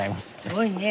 すごいね。